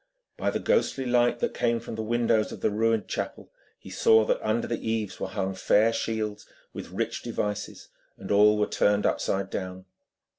By the ghostly light that came from the windows of the ruined chapel he saw that under the eaves were hung fair shields, with rich devices, and all were turned upside down.